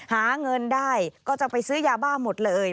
หาเงินได้ก็จะไปซื้อยาบ้าหมดเลย